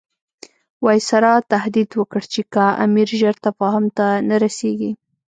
وایسرا تهدید وکړ چې که امیر ژر تفاهم ته نه رسیږي.